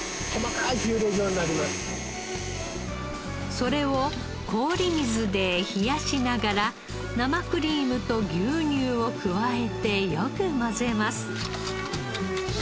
それを氷水で冷やしながら生クリームと牛乳を加えてよく混ぜます。